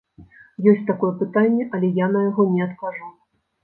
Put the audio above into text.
Ёсць такое пытанне, але я на яго не адкажу.